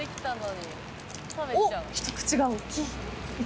お、ひと口が大きい。